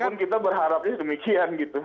walaupun kita berharapnya demikian gitu